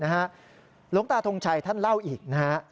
หลวงตาทงชัยท่านเล่าอีกนะฮะ